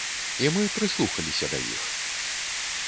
І мы прыслухаліся да іх.